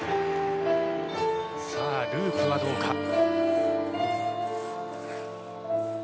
さあ、ループはどうか。